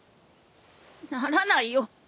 ならないよ。